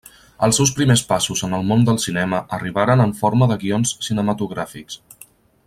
Els seus primers passos en el món del cinema arribaren en forma de guions cinematogràfics.